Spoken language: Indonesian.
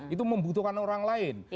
itu membutuhkan orang lain